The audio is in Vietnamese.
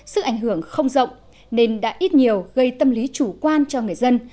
sức ảnh hưởng không rộng nên đã ít nhiều gây tâm lý chủ quan cho người dân